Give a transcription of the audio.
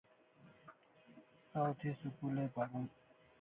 Saw thi school ai paron